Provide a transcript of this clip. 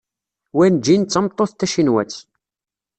Wenjin d tameṭṭut tacinwat.